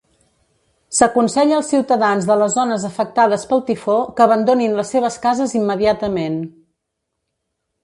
S'aconsella als ciutadans de les zones afectades pel tifó que abandonin les seves cases immediatament.